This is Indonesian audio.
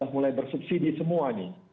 mulai bersubsidi semua nih